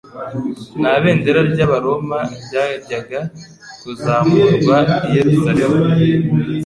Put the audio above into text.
Nta bendera ry'abaroma ryajyaga kuzamurwa i Yerusalemu,